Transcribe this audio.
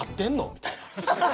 みたいな。